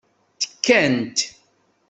Tekkant.